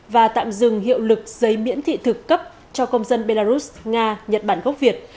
và tạm dừng hiệu lực giấy miễn thị thực cấp cho công dân belarus nga nhật bản gốc việt